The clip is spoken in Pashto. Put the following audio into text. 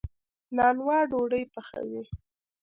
نانوا ډوډۍ پخوي.